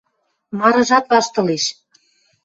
Марыжат ваштылеш.